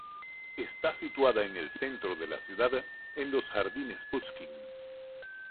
Está situada en el centro de la ciudad, en los jardines Pushkin.